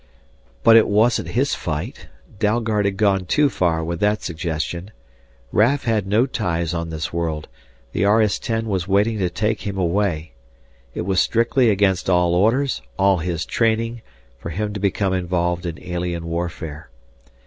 But it wasn't his fight! Dalgard had gone too far with that suggestion. Raf had no ties on this world, the RS 10 was waiting to take him away. It was strictly against all orders, all his training, for him to become involved in alien warfare.